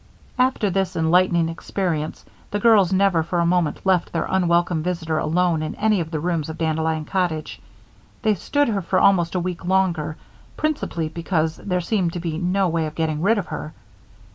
After this enlightening experience, the girls never for a moment left their unwelcome visitor alone in any of the rooms of Dandelion Cottage. They stood her for almost a week longer, principally because there seemed to be no way of getting rid of her.